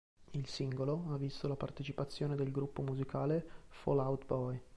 Il singolo ha visto la partecipazione del gruppo musicale Fall Out Boy.